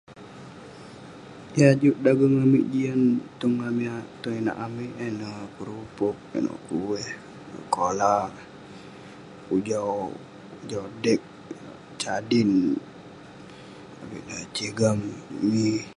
Yah juk dageng amik jian tong inak amik yan neh kerupok, inouk..kueh, kola, ujau, ujau dek, sardin, avik eh..sigam, mi..